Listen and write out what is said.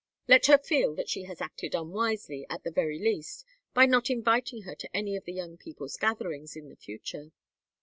Let her feel that she has acted unwisely, at the very least, by not inviting her to any of the young people's gatherings in the future."